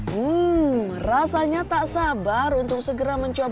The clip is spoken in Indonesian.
hmm rasanya tak sabar untuk segera mencoba